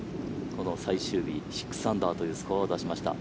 最終日、６アンダーというスコアを出しました。